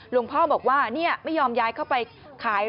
หลวงพ่อบอกว่าไม่ยอมย้ายเข้าไปขาย